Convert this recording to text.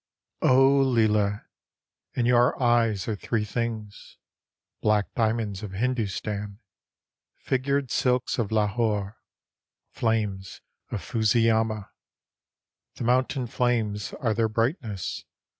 Oh! Leila! In your eyes are three things. Black diamonds of Hindustan, Figured silks of Lahore, Flames of Fusi'Yama ; The mountain flames are their brightness.